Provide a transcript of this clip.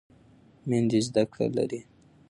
میندې زده کړه لري.